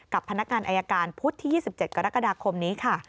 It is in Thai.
พนักงานอายการพุธที่๒๗กรกฎาคมนี้ค่ะ